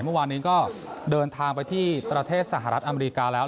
เมื่อวานนี้ก็เดินทางไปที่ประเทศสหรัฐอเมริกาแล้ว